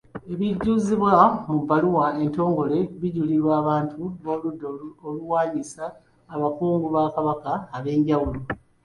Ebijjuzibwa mu bbaluwa entongole bijulirwa abantu b’oludda oluwaanyisa n'abakungu ba Kabaka ab'enjawulo.